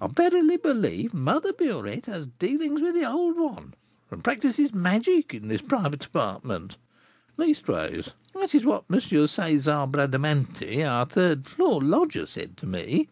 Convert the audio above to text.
I verily believe Mother Burette has dealings with the old one, and practises magic in this private apartment; leastways, that is what M. César Bradamanti, our third floor lodger, said to me.